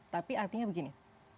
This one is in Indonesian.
tapi artinya begini